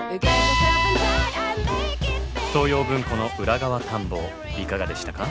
東洋文庫の裏側探訪いかがでしたか？